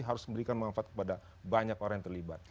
harus memberikan manfaat kepada banyak orang yang terlibat